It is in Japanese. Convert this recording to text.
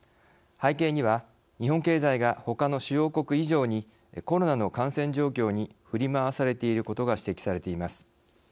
背景には、日本経済がほかの主要国以上にコロナの感染状況に振り回されていることが指摘されています。